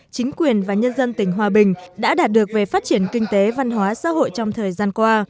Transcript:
chính quyền và nhân dân tỉnh hòa bình đã đạt được về phát triển kinh tế văn hóa xã hội trong thời gian qua